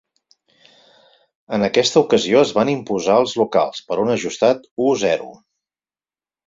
En aquesta ocasió es van imposar els locals, per un ajustat u-zero.